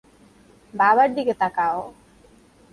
বাবার দিকে তাকাও!